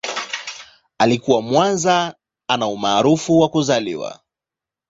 Alikuwa kwanza ana umaarufu wa kuzaliwa.